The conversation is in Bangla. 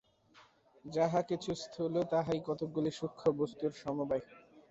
যাহা কিছু স্থূল, তাহাই কতকগুলি সূক্ষ্ম বস্তুর সমবায়।